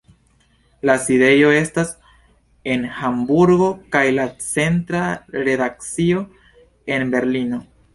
La sidejo estas en Hamburgo, kaj la centra redakcio en Berlino.